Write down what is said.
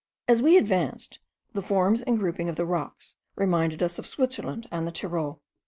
As we advanced, the forms and grouping of the rocks reminded us of Switzerland and the Tyrol.